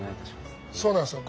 そうなんですよ。